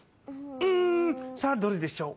うんさあどれでしょう？